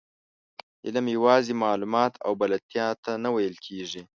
علم یوازې معلوماتو او بلدتیا ته نه ویل کېږي.